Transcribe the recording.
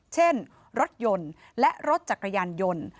เช่นรถยนต์และรถจักรยานยนต์